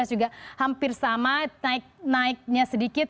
dua ribu sembilan belas juga hampir sama naiknya sedikit